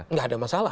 nggak ada masalah